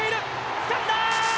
つかんだー！